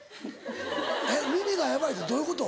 えっ耳がヤバいってどういうこと？